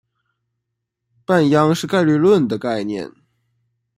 半鞅是概率论的概念。